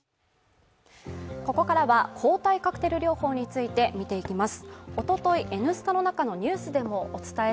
ここからは抗体カクテル療法について見ていきます。